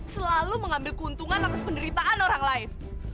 selalu mengambil keuntungan atas penderitaan orang lain